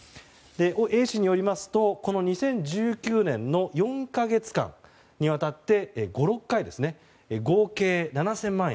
Ａ氏によりますと２０１９年の４か月間にわたって５６回、合計７０００万円。